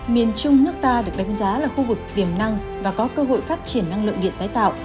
miền trung nước ta được đánh giá là khu vực tiềm năng và có cơ hội phát triển năng lượng điện tái tạo